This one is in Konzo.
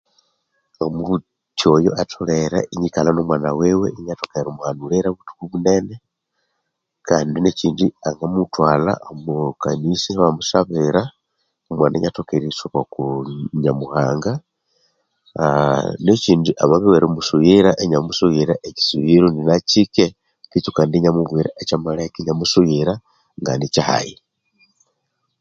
Omubuthi oyo atholere inikalha nomwana wiwe inathoka erimuhanulira buthuku bunene kandi nekyindi erimuthwalha omo kanisa ibamusabira omwana inathoka erisuba oku Nyamuhanga, aa nekyindi amabya owerimusughira inamusughira ekyisughiro ininakyike betu kandi inamubwira ekyamaleka inamusughira nganikyahayi.